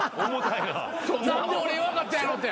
何で俺言わんかったやろって。